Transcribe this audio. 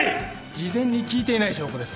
事前に聞いていない証拠です